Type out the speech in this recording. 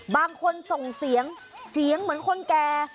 บางคนส่งเสียงเสียงเหมือนคนแก่